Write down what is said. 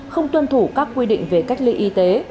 không tuân thủ các quy định về cách ly y tế